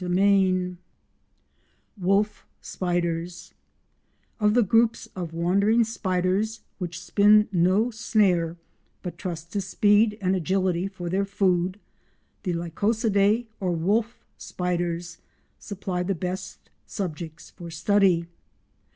CHAPTER IX WOLF SPIDERS Of the groups of wandering spiders, which spin no snare but trust to speed and agility for their food, the Lycosidae or wolf spiders supply the best subjects for study.